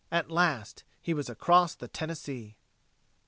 At last, he was across the Tennessee.